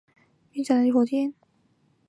三角洲四号中型运载火箭。